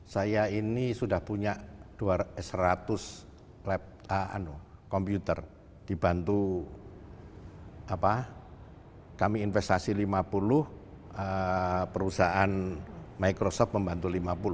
saya ini sudah punya seratus lab komputer dibantu kami investasi lima puluh perusahaan microsoft membantu lima puluh